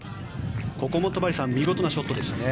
ここも見事なショットでしたね。